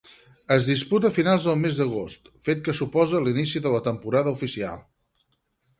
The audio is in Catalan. Es disputa a finals del mes d'agost, fet que suposa l'inici de la temporada oficial.